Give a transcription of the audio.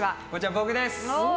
僕です！